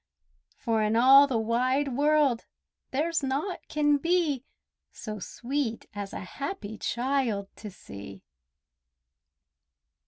For in all the wide world there's naught can be So sweet as a happy child to see!